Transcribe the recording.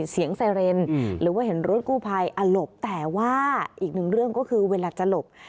ไซเรนหรือว่าเห็นรถกู้ภัยอหลบแต่ว่าอีกหนึ่งเรื่องก็คือเวลาจะหลบ